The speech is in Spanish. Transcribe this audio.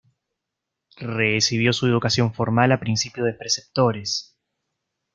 Recibió su educación formal a principios de preceptores.